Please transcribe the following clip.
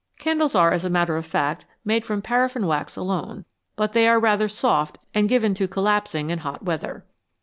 Candles are, as a matter of fact, made from paraffin wax alone, but they are rather soft and given to collapsing in hot weather.